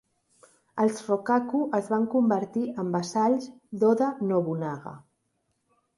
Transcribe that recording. Els Rokkaku es van convertir en vassalls d'Oda Nobunaga.